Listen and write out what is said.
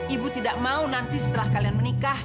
ibu tidak mau nanti setelah kalian menikah